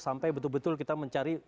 sampai betul betul kita mencari